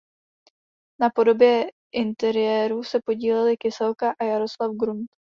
Na podobě interiérů se podíleli Kyselka a Jaroslav Grunt.